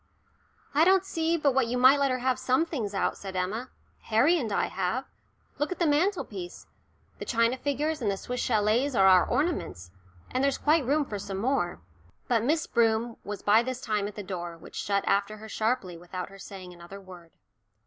"I don't see but what you might let her have some things out," said Emma. "Harry and I have. Look at the mantelpiece the china figures and the Swiss châlets are our ornaments, and there's quite room for some more." But Miss Broom was by this time at the door, which shut after her sharply without her saying another word.